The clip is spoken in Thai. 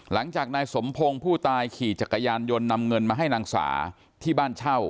หลังจากนายสมพงศ์ผู้ตายขี่จักรยานยนต์นำเงินมาให้นางสาที่บ้านเช่า